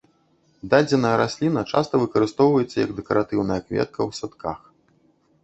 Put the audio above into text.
Дадзеная расліна часта выкарыстоўваецца як дэкаратыўны кветка ў садках.